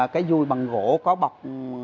cái dùi bằng gỗ có bọc